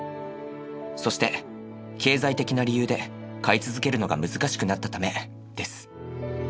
そして経済的な理由で飼い続けるのが難しくなったためです。